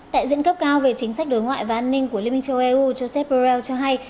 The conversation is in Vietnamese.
tại diễn cấp cao về chính sách đối ngoại và an ninh của liên minh châu âu eu joseph borrell cho hay